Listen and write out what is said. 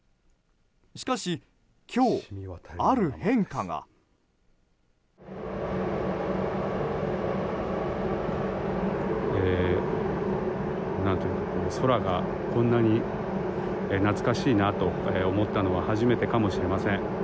しかし今日、ある変化が。空がこんなに懐かしいなと思ったのは初めてかもしれません。